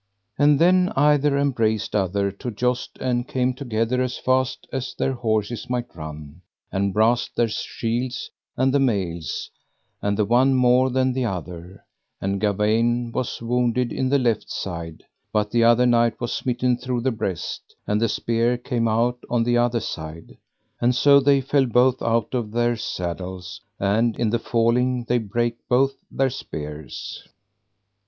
And then either embraced other to joust and came together as fast as their horses might run, and brast their shields and the mails, and the one more than the other; and Gawaine was wounded in the left side, but the other knight was smitten through the breast, and the spear came out on the other side, and so they fell both out of their saddles, and in the falling they brake both their spears.